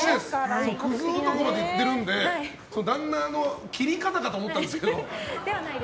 クズ男まで言っているので旦那の切り方かと思ったんですけど。